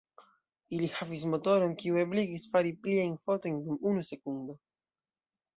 Ili havis motoron, kiu ebligis fari pliajn fotojn dum unu sekundo.